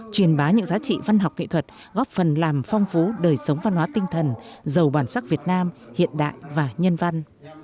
truyền bá những giá trị văn học nghệ thuật góp phần làm phong phú đời sống văn hóa tinh thần giàu bản sắc việt nam hiện đại và nhân văn